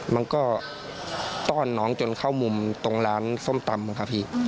มันก็ต้อนน้องจนเข้ามุมตรงร้านส้มตำครับพี่